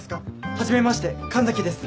初めまして神崎です。